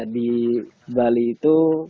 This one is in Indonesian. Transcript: di bali itu